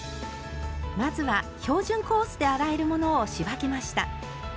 まずは標準コースで洗えるものを仕分けました。